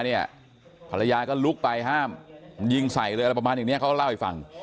ภรรยาก็ลุกไปห้ามยิงใส่เลยอะไรประมาณอย่างนี้เขาก็เล่าให้ฟัง